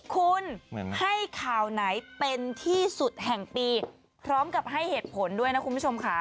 คุณให้ข่าวไหนเป็นที่สุดแห่งปีพร้อมกับให้เหตุผลด้วยนะคุณผู้ชมค่ะ